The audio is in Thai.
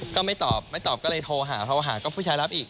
ก็ไม่ตอบไม่ตอบก็เลยโทรหาโทรหาก็ผู้ชายรับอีก